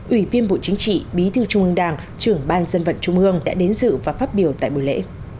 ủy viên bộ chính trị bí thư trung ương đảng trưởng ban dân vận trung ương đã đến dự và phát biểu tại buổi lễ